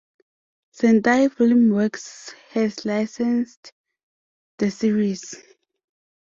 Sentai Filmworks has licensed the series.